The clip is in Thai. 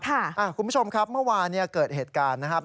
คุณผู้ชมครับเมื่อวานเกิดเหตุการณ์นะครับ